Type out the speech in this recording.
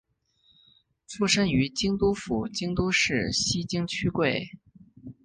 出身于京都府京都市西京区桂。